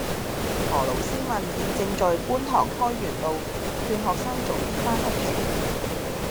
何老師問現正在觀塘開源道勸學生早啲返屋企